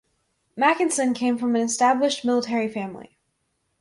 Mackensen came from an established military family.